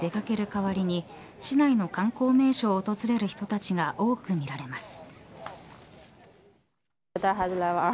代わりに市内の観光名所を訪れる人たちが多く見られます。